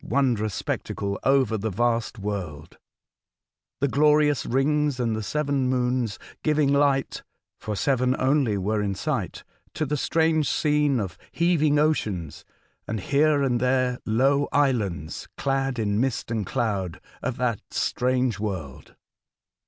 wondrous spectacle over the vast world, the glorious rings and the seven moons giving light (for seven only were in sight) to the strange scene of heaving oceans, and here and there low islands clad in mist and cloud, of that strange world.